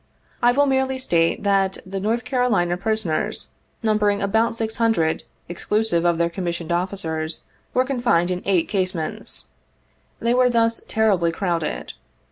I will merely state, that the North Carolina prisoners, numbering about six hundred, exclusive of their commissioned officers, were confined in eight casemates. They were thus terribly crowded.